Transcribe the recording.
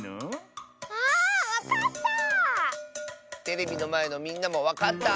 テレビのまえのみんなもわかった？